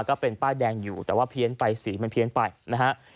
ก็เป็นป้ายแดงอยู่แต่ว่าเพี้ยนไปสีมันเพี้ยนไปนะฮะ